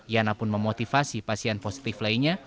yana pun memotivasi pasien positif lainnya